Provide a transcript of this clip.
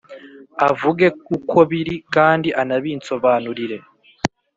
avuge uko biri, kandi anabinsobanurire!